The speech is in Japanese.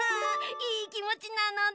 いいきもちなのだ！